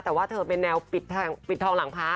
แต่ว่าเธอเป็นแนวปิดทองหลังพระ